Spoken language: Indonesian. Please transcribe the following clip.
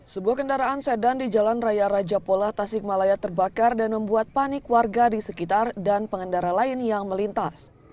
sebuah kendaraan sedan di jalan raya raja pola tasikmalaya terbakar dan membuat panik warga di sekitar dan pengendara lain yang melintas